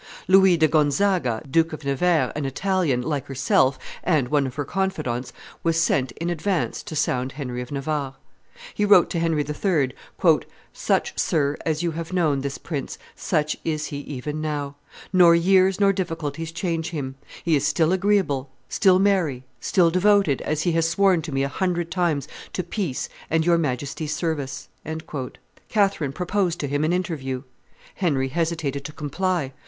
Louis di Gonzaga, Duke of Nevers, an Italian, like herself, and one of her confidants, was sent in advance to sound Henry of Navarre. He wrote to Henry III., "Such, sir, as you have known this prince, such is he even now; nor years nor difficulties change him; he is still agreeable, still merry, still devoted, as he has sworn to me a hundred times, to peace and your Majesty's service." Catherine proposed to him an interview. Henry hesitated to comply.